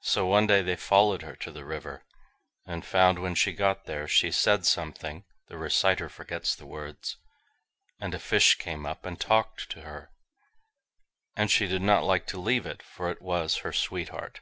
So one day they followed her to the river, and found when she got there, she said something (the reciter forgets the words), and a fish came up and talked to her; and she did not like to leave it, for it was her sweetheart.